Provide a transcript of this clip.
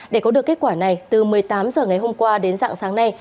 để có được kết quả này từ một mươi tám h ngày hôm qua đến dạng sáng nay